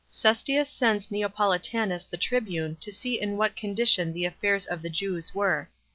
Cestius Sends Neopolitanus The Tribune To See In What Condition The Affairs Of The Jews Were.